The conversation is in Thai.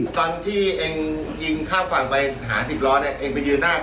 ลุกจากรถไหม